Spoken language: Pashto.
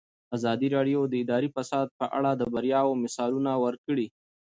ازادي راډیو د اداري فساد په اړه د بریاوو مثالونه ورکړي.